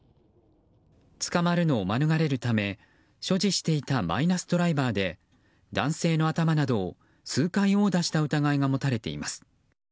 捕まるのを免れるため所持していたマイナスドライバーで男性の頭などを数回、殴打した疑いが持たれています。